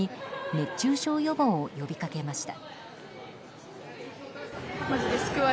熱中症予防を呼びかけました。